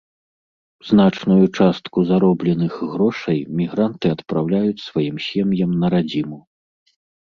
Значную частку заробленых грошай мігранты адпраўляюць сваім сем'ям на радзіму.